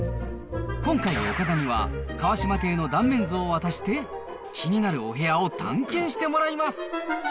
今回、岡田には、川島邸の断面図を渡して、気になるお部屋を探検してもらいます。